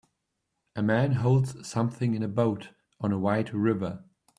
A man holds something in a boat on a wide river.